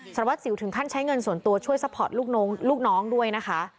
สารวัสสิวถึงขั้นใช้เงินส่วนตัวช่วยซัพพอร์ตลูกน้องด้วยนะคะ